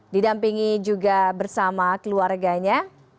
didampingi juga bersama keluarganya